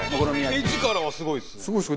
画力はすごいですね。